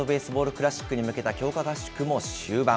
クラシックに向けた強化合宿も終盤。